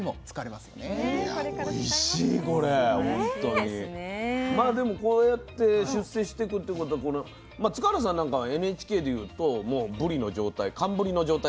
まあでもこうやって出世してくってことは塚原さんなんかはＮＨＫで言うともうぶりの状態寒ぶりの状態ですよね？